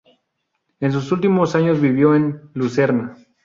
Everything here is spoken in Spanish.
En sus últimos años vivió en Lucerna.